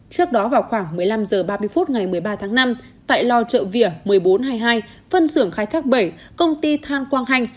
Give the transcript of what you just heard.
trước đó vào khoảng một mươi năm h ba mươi phút ngày một mươi ba tháng năm tại lo trợ vỉa một mươi bốn hai mươi hai phân xưởng khai thác bảy công ty than quang hành